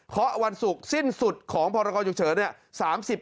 เพราะวันศุกร์สิ้นสุดของพรกรฉุกเฉินเนี่ย